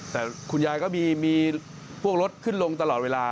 แต่คุณยายก็มีพวกรถขึ้นลงตลอดเวลา